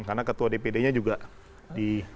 karena ketua dpdnya juga di